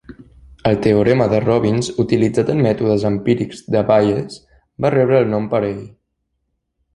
El teorema de Robbins utilitzat en mètodes empírics de Bayes, va rebre el nom per ell.